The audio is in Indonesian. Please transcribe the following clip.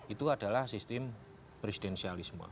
itu adalah sistem presidensialisme